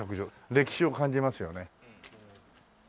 歴史を感じますよね。